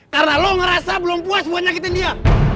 karena lo ngerasa belum puas buat nyakitin dia